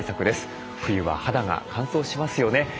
冬は肌が乾燥しますよね。